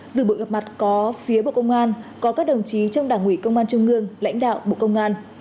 dự buổi gặp mặt có phía bộ công an có các đồng chí trong đảng ủy công an trung ương lãnh đạo bộ công an